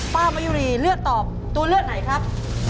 มะยุรีเลือกตอบตัวเลือกไหนครับ